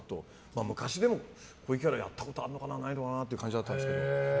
昔でも、こういうキャラやったことあるかなないかなっていう感じだったんですけど。